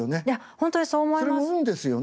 いや本当にそう思います。